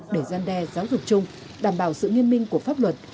để gian đe giáo dục chung đảm bảo sự nghiêm minh của pháp luật